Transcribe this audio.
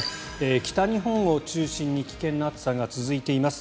北日本を中心に危険な暑さが続いています。